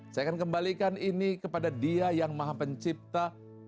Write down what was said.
saya akan kembalikan ini kepada dia yang maha pencipta